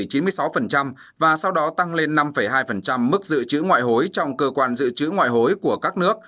từ cuối năm hai nghìn một mươi sáu đồng yên chiếm ba chín mươi sáu và sau đó tăng lên năm hai mức dự trữ ngoại hối trong cơ quan dự trữ ngoại hối của các nước